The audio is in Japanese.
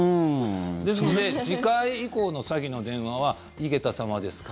ですので次回以降の詐欺の電話は井桁様ですか？